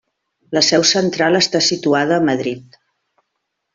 La seu central està situada a Madrid.